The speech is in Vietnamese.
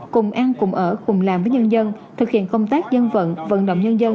cùng ăn cùng ở cùng làm với nhân dân thực hiện công tác dân vận vận động nhân dân